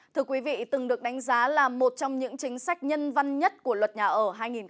thưa quý vị từng được đánh giá là một trong những chính sách nhân văn nhất của luật nhà ở hai nghìn một mươi bốn